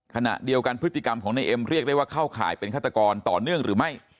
ขณะเดียวกันพฤติกรรมของนายเอ็มเรียกได้ว่าเข้าข่ายเป็นฆาตกรต่อเนื่องหรือไม่